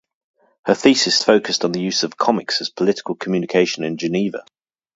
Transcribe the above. Her thesis focused on the use of comics as political communication in Geneva.